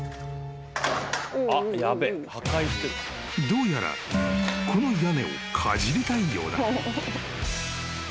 ［どうやらこの屋根をかじりたいようだ］